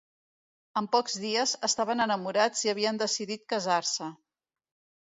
En pocs dies, estaven enamorats i havien decidit casar-se.